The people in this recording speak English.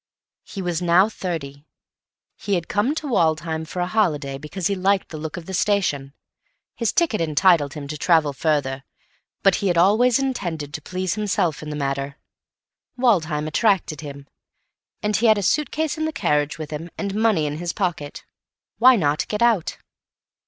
He was now thirty. He had come to Woodham for a holiday, because he liked the look of the station. His ticket entitled him to travel further, but he had always intended to please himself in the matter. Woodham attracted him, and he had a suit case in the carriage with him and money in his pocket. Why not get out?